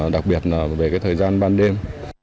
đặc biệt là về thời gian ban đêm